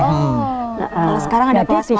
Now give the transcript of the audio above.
kalau sekarang ada kelas matif